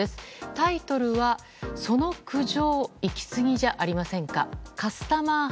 タイトルは「その苦情、行き過ぎじゃありませんか？」。